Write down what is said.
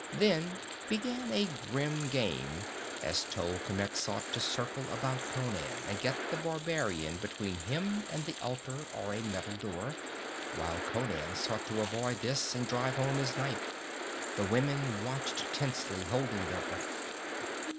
Then began a grim game, as Tolkemec sought to circle about Conan and get the barbarian between him and the altar or a metal door, while Conan sought to avoid this and drive home his knife. The women watched tensely, holding their breath.